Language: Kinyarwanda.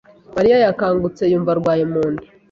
Mariya yakangutse yumva arwaye mu nda.